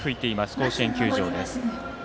甲子園球場です。